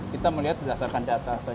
kita melihat berdasarkan data